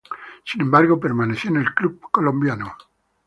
Sin embargo, permaneció en el club colombiano.